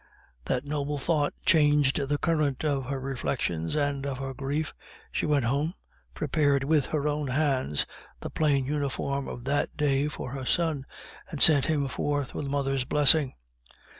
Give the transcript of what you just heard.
That noble thought changed the current of her reflections, and of her grief she went home, prepared with her own hands the plain uniform of that day for her son, and sent him forth with a mother's blessing.